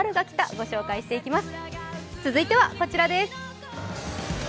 ご紹介していきます。